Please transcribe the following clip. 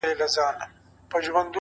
• زه هم له خدايه څخه غواړمه تا،